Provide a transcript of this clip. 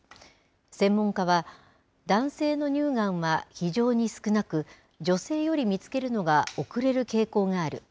専門家は、男性の乳がんは非常に少なく、女性より見つけるのが遅れる傾向がある。